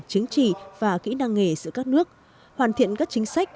chứng chỉ và kỹ năng nghề giữa các nước hoàn thiện các chính sách